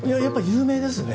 有名ですね。